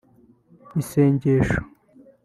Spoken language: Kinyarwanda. Isengesho